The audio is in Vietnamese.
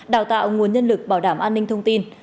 đào tạo nguồn nhân lực bảo đảm an ninh thông tin